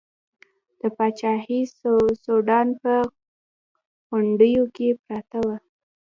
دا پاچاهي د سوډان په غونډیو کې پرته وه.